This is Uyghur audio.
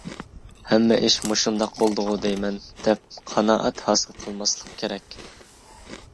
«ھەممە ئىش مۇشۇنداق بولدىغۇ دەيمەن» دەپ قانائەت ھاسىل قىلماسلىق كېرەك.